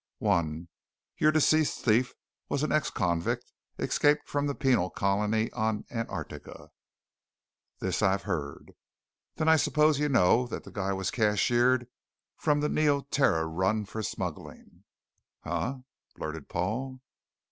"One. Your deceased thief was an ex convict, escaped from the penal colony on Antarctica." "This I've heard." "Then I suppose you know that the guy was cashiered from the Neoterra run for smuggling." "Huh?" blurted Paul.